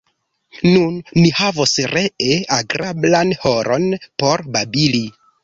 Nun ni havos ree agrablan horon por babili.